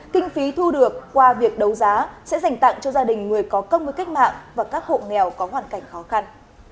kinh phí thu được qua việc đấu giá sẽ dành tặng cho gia đình người có công với cách mạng và các hộ nghèo có hoàn cảnh khó khăn